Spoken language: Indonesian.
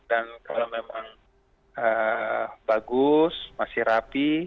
dan kalau memang bagus masih rapi